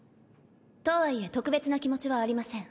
とはいえ特別な気持ちはありません。